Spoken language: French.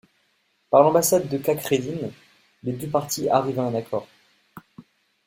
Par l’ambassade de Kakhreddin, les deux parties arrivent à un accord.